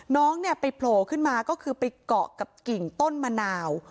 น้องเนี่ยไปโผล่ขึ้นมาก็คือไปเกาะกับกิ่งต้นมะนาว